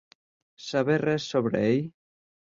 Saber res sobre ell?